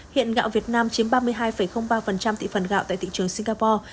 hiện gạo việt nam chiếm ba mươi hai ba thị phần gạo tại thị trường singapore